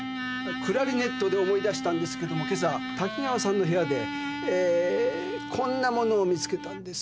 クラリネットで思い出したんですけども今朝滝川さんの部屋でえーこんなものを見つけたんです。